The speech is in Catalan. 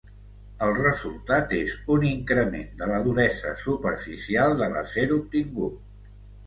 El resultat és un increment de la duresa superficial de l'acer obtingut.